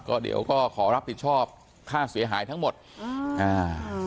ก็เดี๋ยวก็ขอรับผิดชอบค่าเสียหายทั้งหมดอืมอ่า